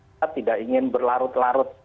kita tidak ingin berlarut larut